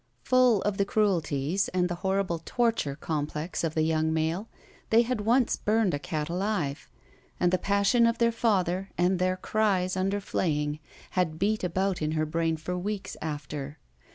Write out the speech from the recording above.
Pull of the cruelties and the horrible torture com plex of the young male, they had once burned a cat alive, and the passion of their father and their cries under fla3ang had beat about in her brain for weeks after.